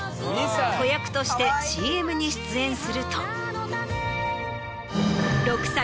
子役としてＣＭに出演すると。